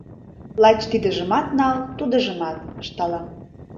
Лач «тидыжымат нал, тудыжымат» ышталам.